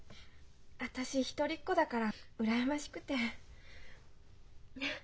私一人っ子だから羨ましくて。